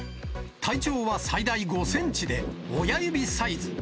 体長は最大５センチで、親指サイズ。